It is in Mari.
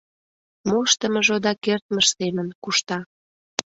Моштымыжо да кертмыж семын кушта.